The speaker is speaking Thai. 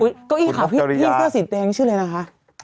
กดกะอี้ขาวเข้าสีแตงชื่อเลยนะคะ